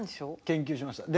研究しました。